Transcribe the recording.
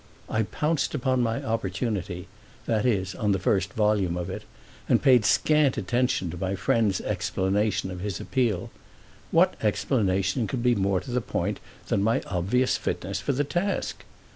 I pounced upon my opportunity—that is on the first volume of it—and paid scant attention to my friend's explanation of his appeal. What explanation could be more to the point than my obvious fitness for the task?